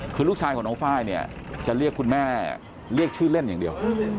คือลูกชายของน้องไฟล์เนี่ยจะเรียกคุณแม่เรียกชื่อเล่นอย่างเดียว